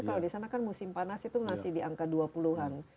kalau di sana kan musim panas itu masih di angka dua puluh an